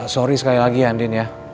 sorry sekali lagi andin ya